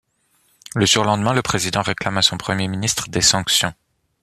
Le surlendemain, le Président réclame à son Premier ministre des sanctions.